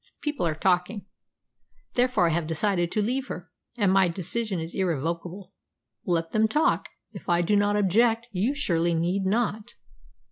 People are talking. Therefore, I have decided to leave her, and my decision is irrevocable." "Let them talk. If I do not object, you surely need not."